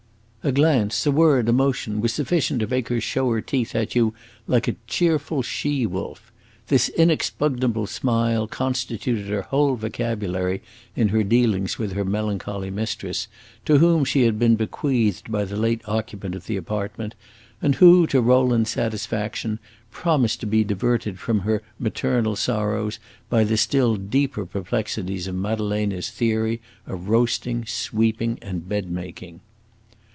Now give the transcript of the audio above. A glance, a word, a motion was sufficient to make her show her teeth at you like a cheerful she wolf. This inexpugnable smile constituted her whole vocabulary in her dealings with her melancholy mistress, to whom she had been bequeathed by the late occupant of the apartment, and who, to Rowland's satisfaction, promised to be diverted from her maternal sorrows by the still deeper perplexities of Maddalena's theory of roasting, sweeping, and bed making.